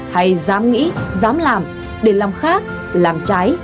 hay dám nghĩ dám làm để làm khác làm trái